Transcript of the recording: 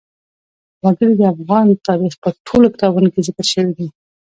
وګړي د افغان تاریخ په ټولو کتابونو کې ذکر شوي دي.